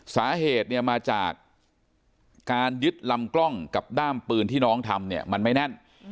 สาเหตุมัจจากการยึดลำกล้องกับด้ามปืนที่น้องทำมันไม่แน่น